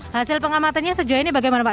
hasil pengamatannya sejauh ini bagaimana pak